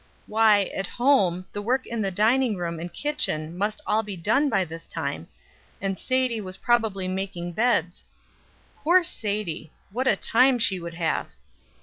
Why, at home the work in the dining room and kitchen must all be done by this time, and Sadie was probably making beds. Poor Sadie! What a time she would have!